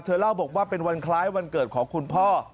เล่าบอกว่าเป็นวันคล้ายวันเกิดของคุณพ่อ